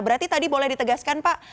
berarti tadi boleh ditegaskan pak